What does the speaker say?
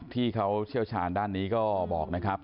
ที่เขาเชี่ยวชาญด้านนี้ก็บอกนะครับ